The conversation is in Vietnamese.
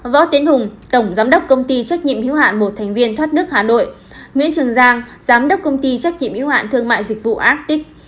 võ tiến hùng tổng giám đốc công ty trách nhiệm hiếu hạn một thành viên thoát nước hà nội nguyễn trường giang giám đốc công ty trách nhiệm yếu hạn thương mại dịch vụ ác tích